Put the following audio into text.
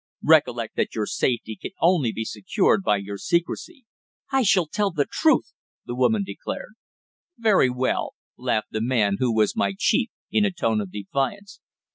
Recollect that your safety can only be secured by your secrecy." "I shall tell the truth!" the woman declared. "Very well," laughed the man who was my chief in a tone of defiance.